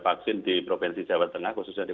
vaksin di provinsi jawa tengah khususnya di